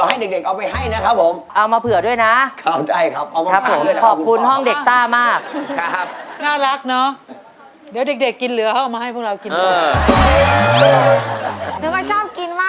อยากกินถ้ามีคนอยากทานนะครับเดี๋ยวให้เด็กเอาไปให้นะครับผม